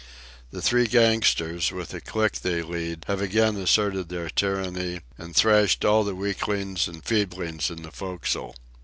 The three gangsters, with the clique they lead, have again asserted their tyrrany and thrashed all the weaklings and feeblings in the forecastle.